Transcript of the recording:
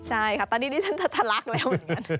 ใช่ค่ะตอนนี้ดิฉันทะลักแล้วเหมือนกัน